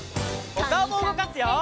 おかおもうごかすよ！